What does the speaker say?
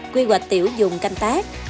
quy hoạch tiểu dùng canh tác